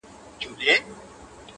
هم په زور كي موږكان نه وه زمري وه-